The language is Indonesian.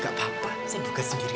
gak apa apa saya juga sendiri aja